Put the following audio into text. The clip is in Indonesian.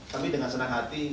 kami dengan senang hati